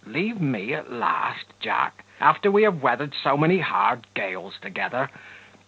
leave me at last, Jack, after we have weathered so many hard gales together?